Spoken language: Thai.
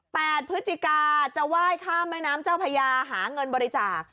พฤศจิกาจะไหว้ข้ามแม่น้ำเจ้าพญาหาเงินบริจาค